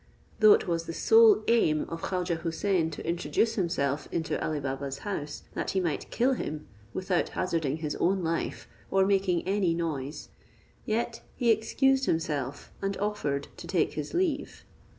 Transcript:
Though it was the sole aim of Khaujeh Houssain to introduce himself into Ali Baba's house, that he might kill him without hazarding his own life or making any noise; yet he excused himself, and offered to take his leave.